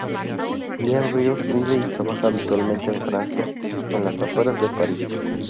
Julián Ríos vive y trabaja habitualmente en Francia, en las afueras de París.